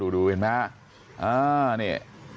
ดูเห็นไหมฮะนี่